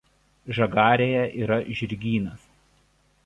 Žagarėje yra žirgynas.